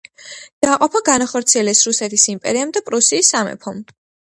დაყოფა განახორციელეს რუსეთის იმპერიამ და პრუსიის სამეფომ.